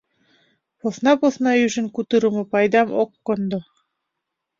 Посна-посна ӱжын кутырымо пайдам ок кондо.